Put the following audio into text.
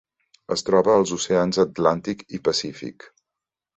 Es troba als oceans Atlàntic i Pacífic.